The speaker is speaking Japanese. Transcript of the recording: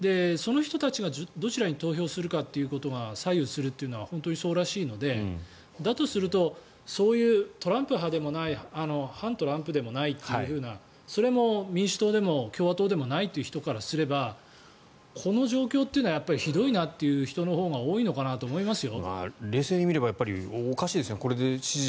共和党の中で支持が固まったとしても無党派の方もいてその人たちがどちらに投票するかということが左右するのはそうらしいのでだとするとそういうトランプ派でもない反トランプでもないというふうなそれも民主党でも共和党でもない人からすればこの状況はひどいなという人のほうが多いのかなと思いますよ。